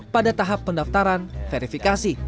pada tahap pendaftaran verifikasi